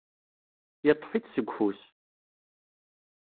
Yeṭṭef-itt seg ufus.